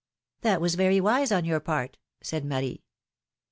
That was very wise on your part," said Marie.